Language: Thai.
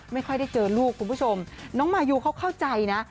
ไม่ค่อยได้เจอลูกคุณผู้ชมน้องมายูเขาเข้าใจนะ